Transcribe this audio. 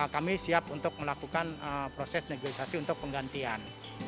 kami siap untuk melakukan proses negosiasi untuk penggantian